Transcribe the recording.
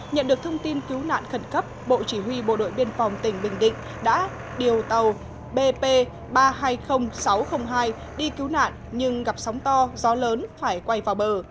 nhận được thông tin cứu nạn khẩn cấp bộ chỉ huy bộ đội biên phòng tỉnh bình định đã điều tàu bp ba trăm hai mươi nghìn sáu trăm linh hai đi cứu nạn nhưng gặp sóng to gió lớn phải quay vào bờ